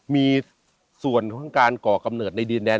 มีส่วนของการก่อกำเนิดในดินแดน